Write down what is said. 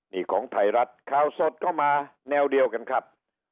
นี่ของไทยรัฐข่าวสดก็มาแนวเดียวกันครับ